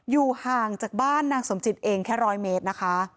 อยู่ห่างจากบ้านนางสมจิตเองแค่๑๐๐เมตรนะคะ